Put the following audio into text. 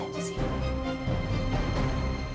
nggak mau orang kerja aja sih